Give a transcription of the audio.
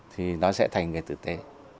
thì nó sẽ thành người thực tế